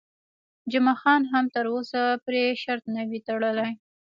جمعه خان هم تر اوسه پرې شرط نه وي تړلی.